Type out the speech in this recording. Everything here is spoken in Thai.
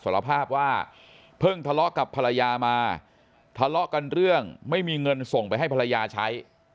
สารภาพว่าเพิ่งทะเลาะกับภรรยามาทะเลาะกันเรื่องไม่มีเงินส่งไปให้ภรรยาใช้